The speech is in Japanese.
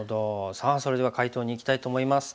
さあそれでは解答にいきたいと思います。